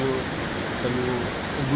jadi anda setuju dengan itu